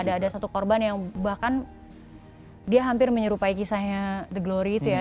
ada satu korban yang bahkan dia hampir menyerupai kisahnya the glory itu ya